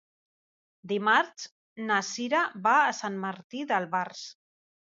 Dimarts na Cira va a Sant Martí d'Albars.